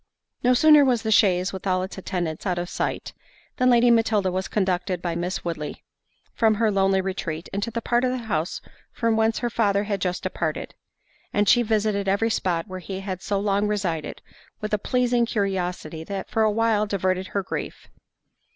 No sooner was the chaise, with all its attendants, out of sight, than Lady Matilda was conducted by Miss Woodley from her lonely retreat, into that part of the house from whence her father had just departed—and she visited every spot where he had so long resided, with a pleasing curiosity that for a while diverted her grief.